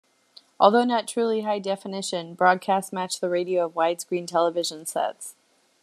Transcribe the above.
Although not truly high definition, broadcasts match the ratio of widescreen television sets.